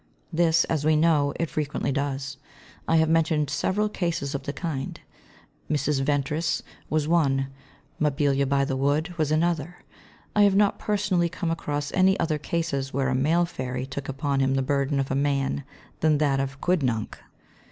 This, as we know, it frequently does. I have mentioned several cases of the kind; Mrs. Ventris was one, Mabilla By the Wood was another. I have not personally come across any other cases where a male fairy took upon him the burden of a man than that of Quidnunc.